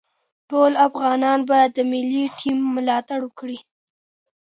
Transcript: ټول افغانان باید د ملي ټیم ملاتړ وکړي.